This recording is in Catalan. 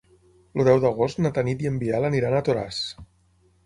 El deu d'agost na Tanit i en Biel aniran a Toràs.